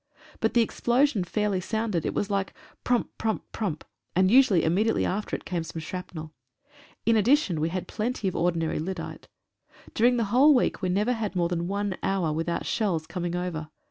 But the explosion fairly sounded — it was like "prump — prump — prump," and usually immediately after it came some shrapnel. In addition we had plenty of ordinary lyddite. During the whole week we never had more than one hour without shells coming over.